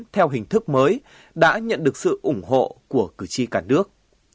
là một hình thức mới đã nhận được sự ủng hộ của cử tri cả nước